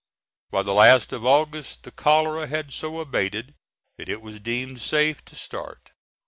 By the last of August the cholera had so abated that it was deemed safe to start.